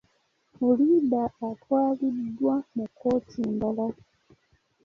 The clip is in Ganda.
Puliida atwaliddwa mu kkooti endala.